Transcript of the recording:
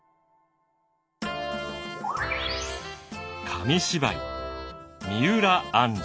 紙芝居「三浦按針」。